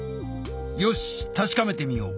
よし確かめてみよう。